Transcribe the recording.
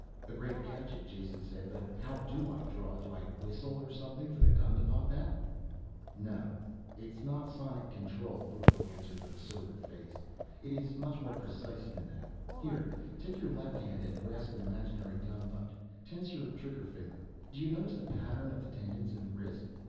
"A great gadget," Jason said, "but how do I draw? Do I whistle or something for the gun to pop out?" "No, it is not sonic control," Brucco answered with a sober face. "It is much more precise than that. Here, take your left hand and grasp an imaginary gun butt. Tense your trigger finger. Do you notice the pattern of the tendons in the wrist?